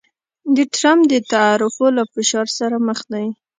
د ټرمپ د تعرفو له فشار سره مخ دی